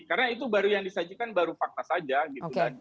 karena itu baru yang disajikan baru fakta saja gitu